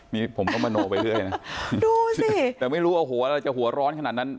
นี่ผมต้องบรรโนไปด้วยนะดูสิแต่ไม่รู้ว่าหัวเราจะหัวร้อนขนาดนั้น